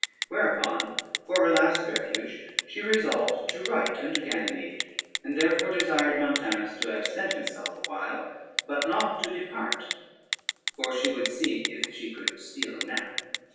Whereupon, for her last refuge, she resolved to write unto Ganymede, and therefore desired Montanus to absent himself a while, but not to depart, for she would see if she could steal a nap.